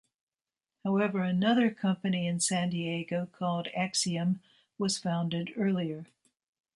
However another company in San Diego called "Axiom" was founded earlier.